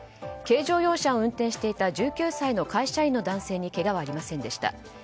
軽乗用車を運転していた１９歳の会社員の男性にけがはありませんでした。